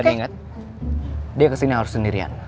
dan inget dia kesini harus sendirian